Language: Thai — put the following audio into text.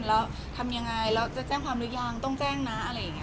แล้วทำยังไงแล้วจะแจ้งความหรือยังต้องแจ้งนะอะไรอย่างนี้